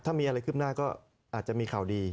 ถ้ามีอะไรขึ้นหน้าก็อาจจะมีข่าวดี